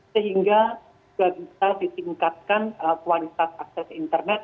sehingga juga bisa ditingkatkan kualitas akses internet